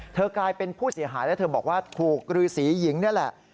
กลายเป็นผู้เสียหายแล้วเธอบอกว่าถูกฤษีหญิงนี่แหละ